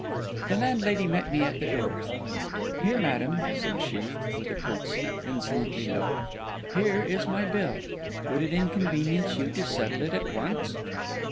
The landlady met me at the door. 'Here, madam,' said she, with a curtsey insolently low, 'here is my bill. Would it inconvenience you to settle it at once?